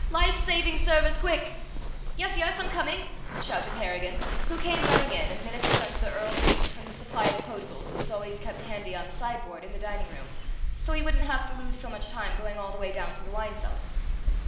Life saving service quick!" "Yes, yes; I'm coming!" shouted Harrigan, who came running in, and ministered unto the Earl's needs from the supply of potables that was always kept handy on the sideboard in the dining room, so he wouldn't have to lose so much time going all the way down to the wine cellar.